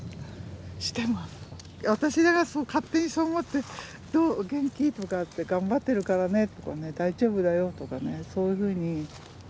私が勝手にそう思って「どう元気？」とかって「頑張ってるからね」とか「大丈夫だよ」とかねそういうふうに。